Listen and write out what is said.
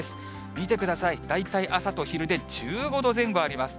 見てください、大体朝と昼で１５度前後あります。